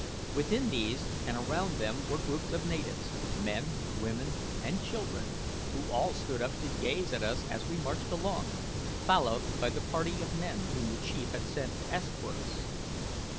Within these and around them were groups of natives men, women, and children who all stood up to gaze at us as we marched along, followed by the party of men whom the chief had sent to escort us.